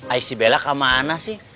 ais si bella kemana sih